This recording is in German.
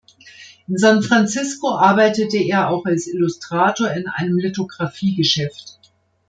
In San Francisco arbeitete er auch als Illustrator in einem Lithographie-Geschäft.